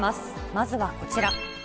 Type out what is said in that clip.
まずはこちら。